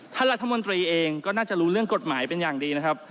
ท่านรัฐมนตรีเองก็น่าจะรู้เรื่องกฎหมายเป็นอย่างดีนะครับ